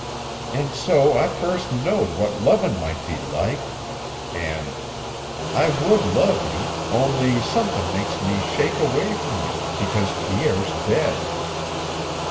"An' so I first knowed what lovin' might be like"; and, "I would love you, only somethin' makes me shake away from you because Pierre's dead."